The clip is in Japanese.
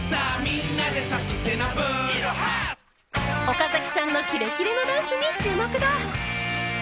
岡崎さんのキレキレのダンスに注目だ。